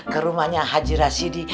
ke rumahnya haji rasidi